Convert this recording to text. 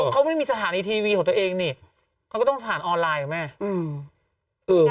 เขาไม่ได้มีสถานีทีวีของตัวเองนี่เขาก็ต้องผ่านออนไลน์ของแม่